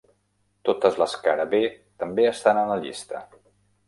Totes les cara-B també estan en la llista.